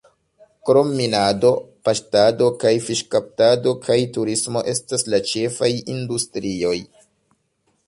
Krom minado, paŝtado kaj fiŝkaptado kaj turismo estas la ĉefaj industrioj.